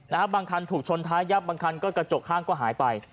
บางคันถูกชนท้ายับบางคันก็กระจกข้างก็หายไป